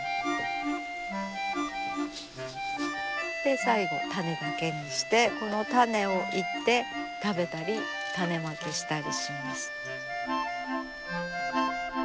最後種だけにしてこの種を煎って食べたり種まきしたりします。